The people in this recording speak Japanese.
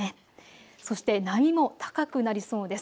そして波も高くなりそうです。